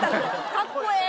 かっこええ！